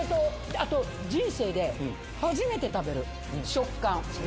あと人生で初めて食べる食感。